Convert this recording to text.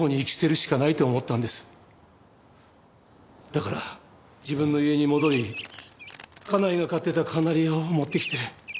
だから自分の家に戻り家内が飼ってたカナリアを持ってきて。